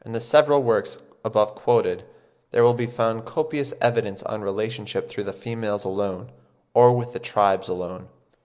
In the several works above quoted, there will be found copious evidence on relationship through the females alone, or with the tribe alone.)